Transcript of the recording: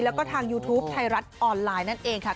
แล้วก็ทางยูทูปไทยรัฐออนไลน์นั่นเองค่ะ